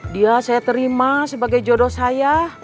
dia saya terima sebagai jodoh saya